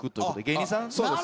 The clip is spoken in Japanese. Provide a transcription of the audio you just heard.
芸人さんで。